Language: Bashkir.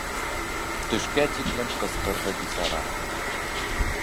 Төшкә тиклем ҡысҡырҙы бисара.